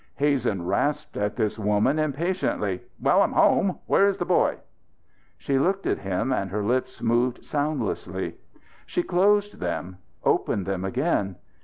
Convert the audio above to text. Hazen rasped at this woman impatiently: "Well, I'm home! Where is the boy?" She looked at him and her lips moved soundlessly. She closed them, opened them again.